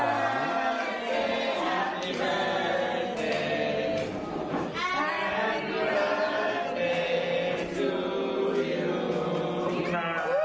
ขอบคุณค่ะ